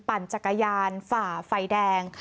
ปั่นจักรยานฝ่าไฟแดง